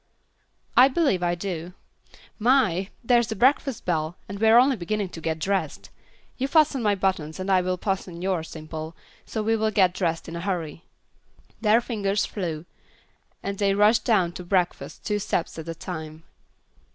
"I believe I do. My! there is the breakfast bell, and we are only beginning to get dressed. You fasten my buttons, and I will fasten yours, Dimple, so we will get dressed in a hurry." Their fingers flew, and they rushed down to breakfast two steps at a time.